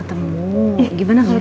nah yaudah deh